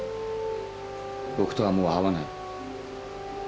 僕とはもう会わない。